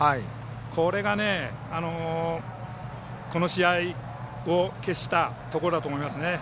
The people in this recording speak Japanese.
これがこの試合を決したところだと思いますね。